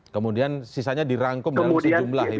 kemudian sisanya dirangkum dalam sejumlah itu ya